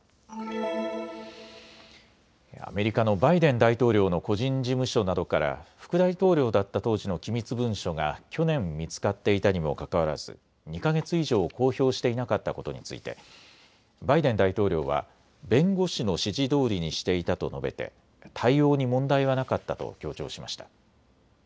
アメリカのバイデン大統領の個人事務所などから副大統領だった当時の機密文書が去年、見つかっていたにもかかわらず２か月以上、公表していなかったことについてバイデン大統領は弁護士の指示どおりにしていたと述べて対応に問題はなかったと強調しました。